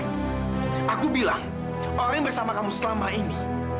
lagi lagi bersama kamu selama ini